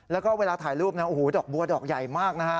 แล้วก็เวลาถ่ายรูปนะโอ้โหดอกบัวดอกใหญ่มากนะฮะ